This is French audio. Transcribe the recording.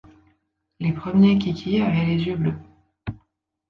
Les premiers Kiki avaient les yeux bleus.